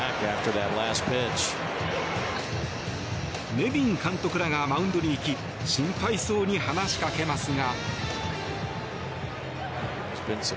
ネビン監督らがマウンドに行き心配そうに話しかけますが。